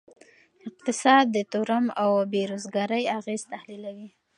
اقتصاد د تورم او بیروزګارۍ اغیز تحلیلوي.